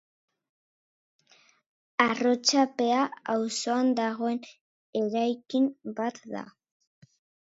Arrotxapea auzoan dagoen eraikin bat da.